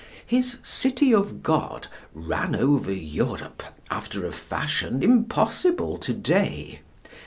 His City of God ran over Europe after a fashion impossible to day.